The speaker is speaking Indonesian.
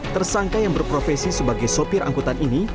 tersangka yang berprofesi sebagai sopir angkutan ini